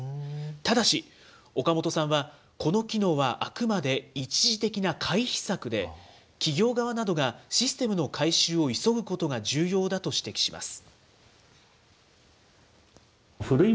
ただし、岡本さんは、この機能はあくまで一時的な回避策で、企業側などがシステムの改修を急ぐことが重要だと指摘します。